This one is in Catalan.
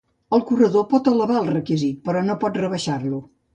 El corredor pot elevar el requisit, però no pot rebaixar-lo.